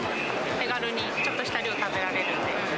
手軽にちょっとした量、食べられるので。